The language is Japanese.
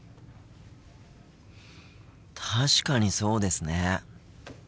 確かにそうですね。